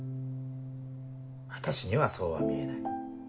私にはそうは見えない。